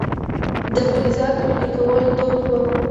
د فلزاتو ویلې کول دود و